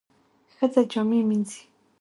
ښځه جامې مینځي.